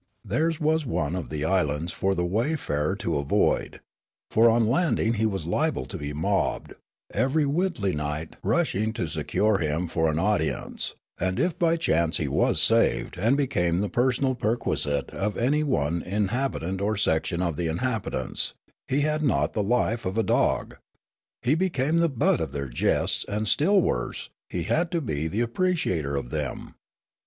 Theirs was one of the islands for the wayfarer to avoid ; for on landing he was liable to be mobbed, every Witlingenite rushing to secure him for an audi ence, and if by any chance he was saved and became the personal perquisite of anj^ one inhabitant or section of the inhabitants, he had not the life of a dog ; he be came the butt of their jests and, still worse, he had to be the appreciator of them.